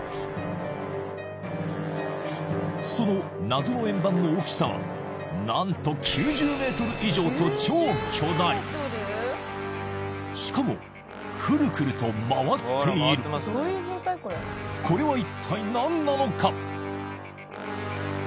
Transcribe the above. その謎の円盤の大きさは何と９０メートル以上と超巨大しかもクルクルと回っているこれは一体何なのか？